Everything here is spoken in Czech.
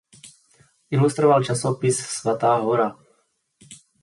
Ilustroval časopis "Svatá Hora".